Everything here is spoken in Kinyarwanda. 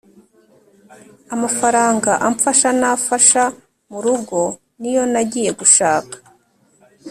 amafaranga amfasha n’afasha mu rugo niyo nagiye gushaka.